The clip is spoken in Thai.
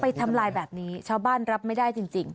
ทำลายแบบนี้ชาวบ้านรับไม่ได้จริง